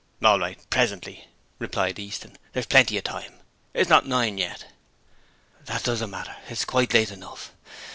'All right: presently,' replied Easton. 'There's plenty of time; it's not nine yet.' 'That doesn't matter; it's quite late enough.